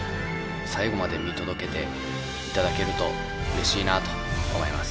最後まで見届けていただけるとうれしいなと思います。